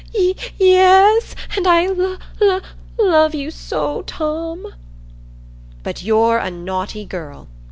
"Ye ye es—and I—lo lo love you so, Tom." "But you're a naughty girl.